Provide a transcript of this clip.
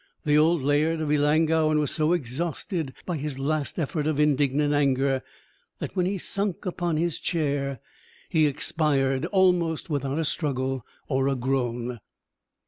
The old Laird of Ellangowan was so exhausted by his last effort of indignant anger, that when he sunk upon his chair, he expired almost without a struggle or a groan.